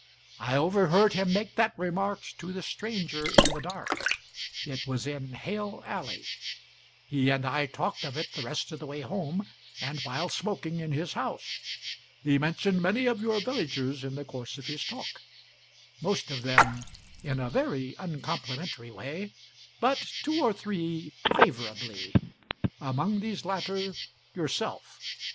I overheard him make that remark to the stranger in the dark it was in Hale Alley. He and I talked of it the rest of the way home, and while smoking in his house. He mentioned many of your villagers in the course of his talk most of them in a very uncomplimentary way, but two or three favourably: among these latter yourself.